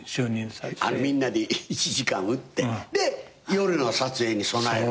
みんなで１時間打って夜の撮影に備える。